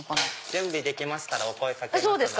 準備できましたらお声掛けます。